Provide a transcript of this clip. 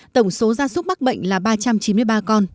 tổng số gia súc mắc bệnh là ba trăm chín mươi ba con